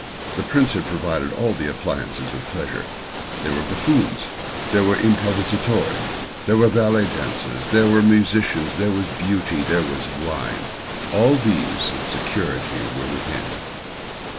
The prince had provided all the appliances of pleasure. There were buffoons, there were improvisatori, there were ballet dancers, there were musicians, there was Beauty, there was wine. All these and security were within.